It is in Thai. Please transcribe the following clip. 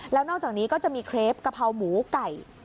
แล้วนอกจากนี้ก็จะมีเครปกะเพราหมูไก่